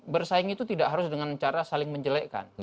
bersaing itu tidak harus dengan cara saling menjelekkan